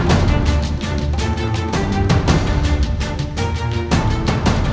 saudara seperguruan gusti rapi dari kunjung putih